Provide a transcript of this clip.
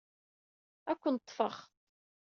Ad ken-ḍḍfeɣ.